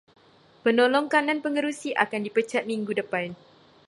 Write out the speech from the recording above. Penolong kanan pengerusi akan dipecat minggu depan.